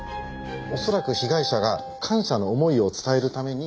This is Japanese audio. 恐らく被害者が感謝の思いを伝えるために。